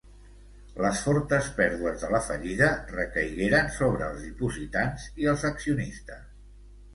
Les fortes pèrdues de la fallida recaigueren sobre els dipositants i els accionistes.